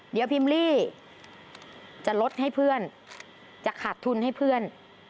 เดี๋ยวพิมลี่จะลดให้เพื่อนจะขาดทุนให้เพื่อน